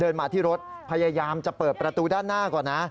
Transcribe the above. มาที่รถพยายามจะเปิดประตูด้านหน้าก่อนนะ